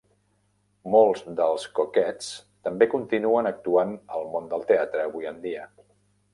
Molts dels Cockettes també continuen actuant al món del teatre avui en dia.